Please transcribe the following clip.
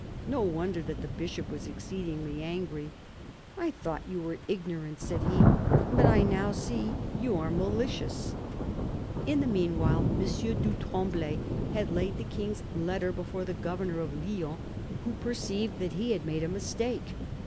No wonder that the Bishop was exceedingly angry. "I thought you were ignorant," said he, " but I now see you are malicious." THE BISHOP OF LUgON 115 In the meanwhile, M. du Tremblay had laid the King's letter before the governor of Lyons, who perceived that he had made a mistake.